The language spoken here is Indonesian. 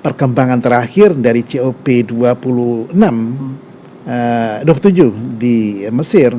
perkembangan terakhir dari cop dua puluh enam dua puluh tujuh di mesir